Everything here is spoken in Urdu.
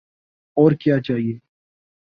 اور کیا چاہیے؟